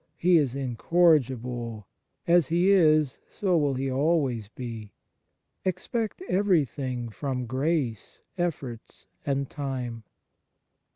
He is incorrigible ; as he is, so will he always be." Expect everything from grace, efforts, and time. 3.